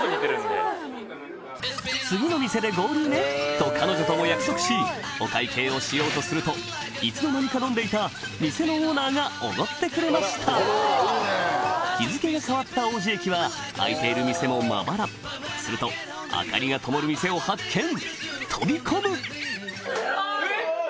と彼女とも約束しお会計をしようとするといつの間にか飲んでいた店のオーナーがおごってくれました日付が変わった王子駅は開いている店もまばらすると明かりがともる店を発見飛び込む！